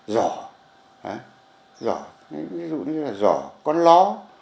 giỏ giỏ ví dụ như là giỏ con ló